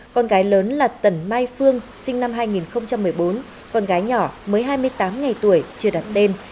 con gái lớn là tần mai phương sinh năm hai nghìn một mươi bốn con gái nhỏ mới hai mươi tám ngày tuổi chưa đặt đêm